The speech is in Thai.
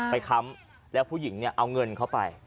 ไปค้ำแล้วผู้หญิงเอาเงินเข้าไป